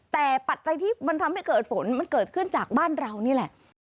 แต่ปัจจัยที่มันทำให้เกิดฝนมันเกิดขึ้นจากบ้านเรานี่แหละ